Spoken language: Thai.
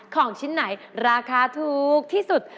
ของชิ้นไหนราคาถูกที่สุด